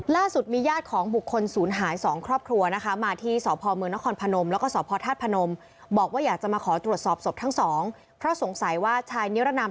ล่าสุดมีญาติของบุคคลศูนย์หาย๒ครอบครัวนะคะมาที่ศพเมืองนครพนมและศพพอธาตุพนม